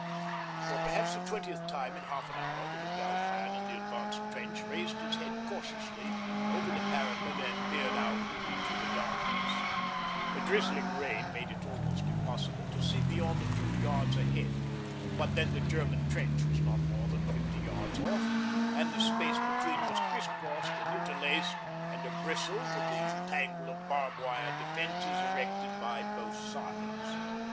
_' For perhaps the twentieth time in half an hour the look out man in the advanced trench raised his head cautiously over the parapet and peered out into the darkness. A drizzling rain made it almost impossible to see beyond a few yards ahead, but then the German trench was not more than fifty yards off and the space between was criss crossed and interlaced and a bristle with the tangle of barb wire defences erected by both sides.